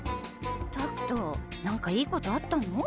拓斗なんかいいことあったの？